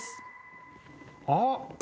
あっ！